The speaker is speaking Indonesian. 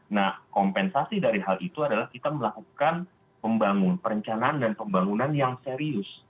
nah kompensasi dari hal itu adalah kita melakukan pembangunan perencanaan dan pembangunan yang serius